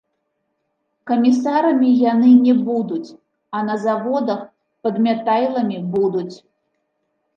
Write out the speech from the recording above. Камісарамі яны не будуць, а на заводах падмятайламі будуць.